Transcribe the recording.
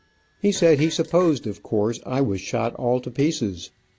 He said he supposed of course I was shot all to pieces.